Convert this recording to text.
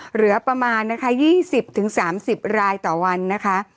เหลือประมาณนะคะยี่สิบถึงสามสิบรายต่อวันนะคะ